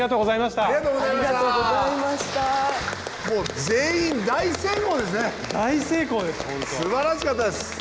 すばらしかったです。